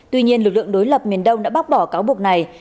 tuy nhiên lực lượng đối lập miền đông đã bác bỏ cáo buộc này